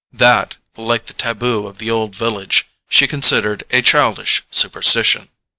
That, like the taboo of the Old Village, she considered a childish superstition.